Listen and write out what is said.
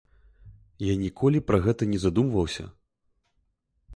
Я ніколі пра гэта не задумваўся.